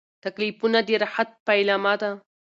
تکلیفونه د راحت پیلامه ده.